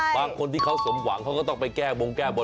บางคนที่เขาสมหวังเขาก็ต้องไปแก้บงแก้บน